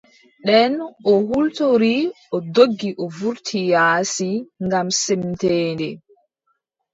Nden o hultori o doggi o wurti yaasi ngam semteende.